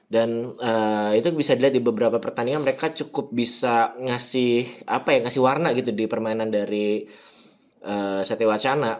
dan itu bisa dilihat di beberapa pertandingan mereka cukup bisa ngasih apa ya ngasih warna gitu di permainan dari satya wacana